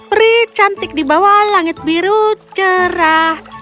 peri cantik di bawah langit biru cerah